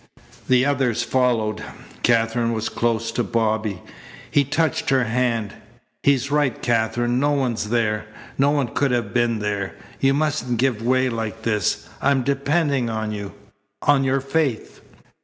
The others followed. Katherine was close to Bobby. He touched her hand. "He's right, Katherine. No one's there. No one could have been there. You mustn't give way like this. I'm depending on you on your faith."